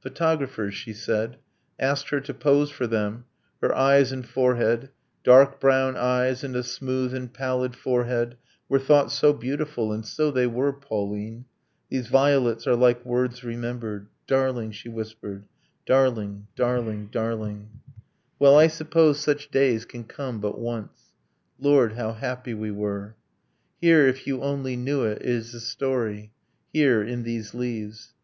Photographers, she said, Asked her to pose for them; her eyes and forehead, Dark brown eyes, and a smooth and pallid forehead, Were thought so beautiful. And so they were. Pauline ... These violets are like words remembered ... Darling! she whispered ... Darling! ... Darling! ... Darling! Well, I suppose such days can come but once. Lord, how happy we were! ... Here, if you only knew it, is a story Here, in these leaves.